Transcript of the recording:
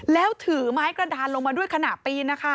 แล้วถือไม้กระดานลงมาด้วยขณะปีนนะคะ